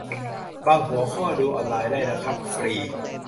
บางหัวข้อดูออนไลนได้นะครับ ฟรี